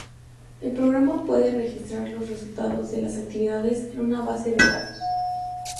El programa puede registrar los resultados de las actividades en una base de datos.